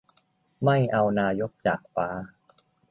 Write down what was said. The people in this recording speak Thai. ไม่เอานายกจากฟ้า